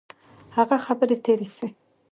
هغه خبري تیري سوې.